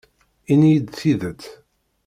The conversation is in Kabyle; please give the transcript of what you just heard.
Ini-yi-d tidet.